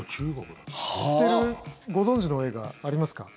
知ってる、ご存じの映画ありますか？